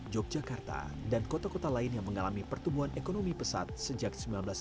yogyakarta dan kota kota lain yang mengalami pertumbuhan ekonomi pesat sejak seribu sembilan ratus sembilan puluh